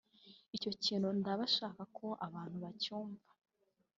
icyo kintu ndashaka ko abantu bacyumva